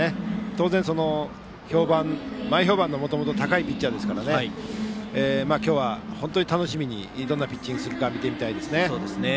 当然、前評判がもともと高いピッチャーですので今日は本当に楽しみにどんなピッチングをするか見てみたいですね。